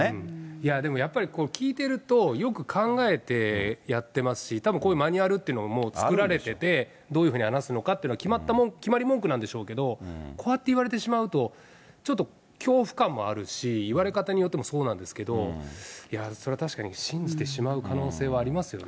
いや、でもやっぱり、聞いてると、よく考えてやってますし、たぶん、こういうマニュアルっていうものが作られてて、どういうふうに話すのかって、決まった、決まり文句なんでしょうけど、こうやって言われてしまうと、ちょっと、恐怖感もあるし、言われた方によってもそうなんですけど、いや、それは確かに信じてしまう可能性はありますよね。